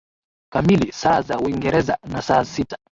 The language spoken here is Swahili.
kamili saa za Uingereza na saa sita